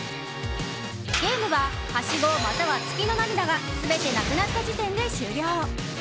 ゲームは、はしごまたは月の涙が全てなくなった時点で終了。